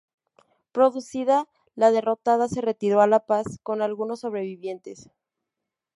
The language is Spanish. Producida la derrota se retiró a La Paz con algunos sobrevivientes.